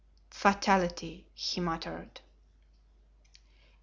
"Fatality!" he muttered.